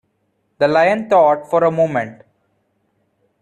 The Lion thought for a moment.